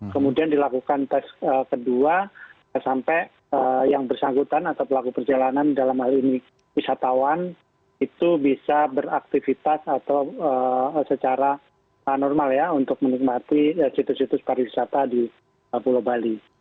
kemudian dilakukan tes kedua sampai yang bersangkutan atau pelaku perjalanan dalam hal ini wisatawan itu bisa beraktivitas atau secara normal ya untuk menikmati situs situs pariwisata di pulau bali